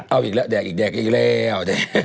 เอาอีกแล้วแดกอีกแดกอีกแล้ว